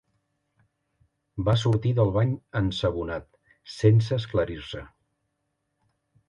Va sortir del bany ensabonat, sense esclarir-se.